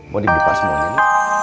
mau dibipas mohon ini